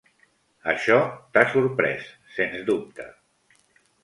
Això t'ha sorprès, sens dubte.